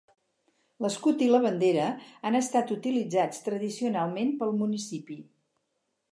L'escut i la bandera han estat utilitzats tradicionalment pel municipi.